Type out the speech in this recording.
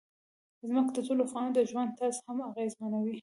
ځمکه د ټولو افغانانو د ژوند طرز هم اغېزمنوي.